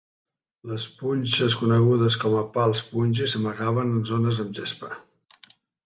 Les punxes conegudes com a pals Punji s'amagaven en zones amb gespa.